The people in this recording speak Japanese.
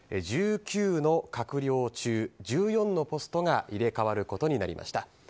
１９の閣僚中１４のポストが入れ替わることになりました。